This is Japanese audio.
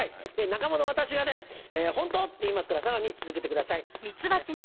仲間の私が「ホント？」って言いますからさらに続けてください。